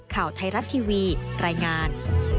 ข่าวไทยรัฐทีวีรายงาน